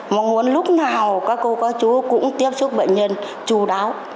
mong muốn lúc nào các cô các chú cũng tiếp xúc bệnh nhân chú đáo